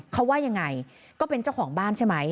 เขาว่ายังไงก็เป็นเจ้าของบ้านใช่ไหม